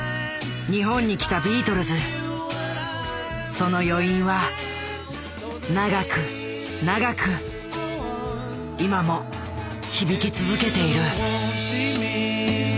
その余韻は長く長く今も響き続けている。